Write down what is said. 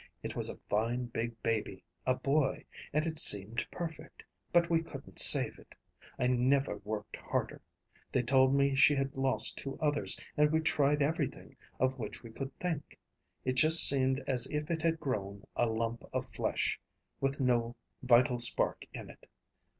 It was a fine big baby, a boy, and it seemed perfect, but we couldn't save it. I never worked harder. They told me she had lost two others, and we tried everything of which we could think. It just seemed as if it had grown a lump of flesh, with no vital spark in it."